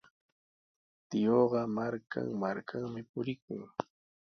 Tiyuuqa markan-markanmi purikun.